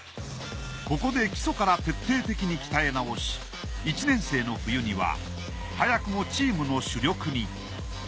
ここで基礎から徹底的に鍛えなおし１年生の冬には早くもチームの主力に。